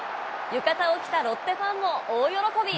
浴衣を着たロッテファンも大喜び。